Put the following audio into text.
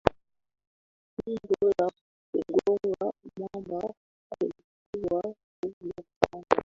pigo la kugonga mwamba halikuwa kubwa sana